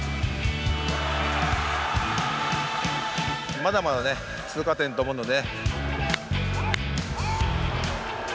まだまだ通過点と思うので。